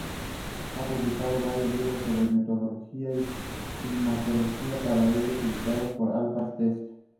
Ha publicado varios libros sobre meteorología y climatología, todos ellos editados por Alpha Test.